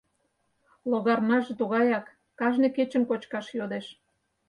Логарнаже тугаяк, кажне кечын кочкаш йодеш.